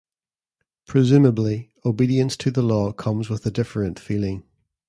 Presumably, obedience to the law comes with a different feeling.